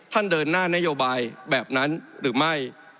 เดินหน้านโยบายแบบนั้นหรือไม่